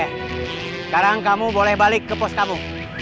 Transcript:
sekarang kamu boleh balik ke pos kamu